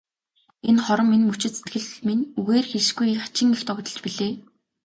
Энэ хором, энэ мөчид сэтгэл минь үгээр хэлшгүй хачин их догдолж билээ.